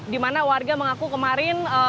di mana warga mengaku kemarin